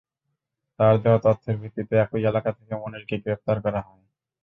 তাঁর দেওয়া তথ্যের ভিত্তিতে একই এলাকা থেকে মনিরকে গ্রেপ্তার করা হয়।